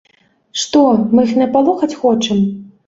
Што, мы іх напалохаць хочам?